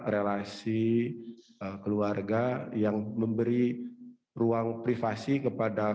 relasi keluarga yang memberi ruang privasi ke mereka